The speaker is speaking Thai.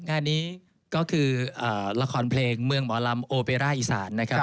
งานนี้ก็คือละครเพลงเมืองหมอลำโอเปร่าอีสานนะครับ